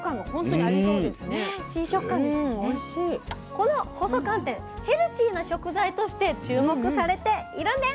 この細寒天ヘルシーな食材として注目されているんです。